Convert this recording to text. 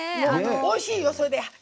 おいしいよ、それで。